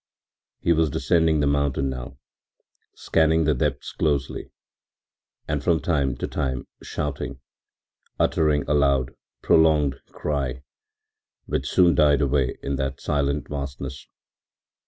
” He was descending the mountain now, scanning the depths closely, and from time to time shouting, uttering aloud, prolonged cry, which soon died away in that silent vastness.